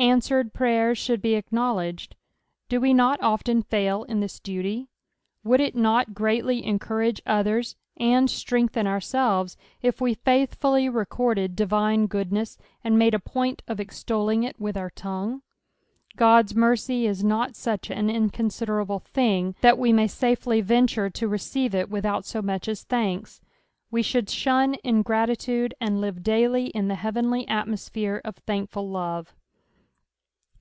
Answered prryers should be acknowledged. Do we not often fail in this duty ! Would it not greatly encourage others, nnd strengthen ourselves, if we faithfully recorded divine goodness, and made a point of extolling it with our tongue ? Qod'a mercy is not such an inconsiderable thing that we PSALU THE XWBHTT EIOHTH. »0 nukT BafeW venture to receive it without bo much as thanki. We should ahnu ingTEttUide, uid live dailj la the henTenl; atmosphere of thankinl love.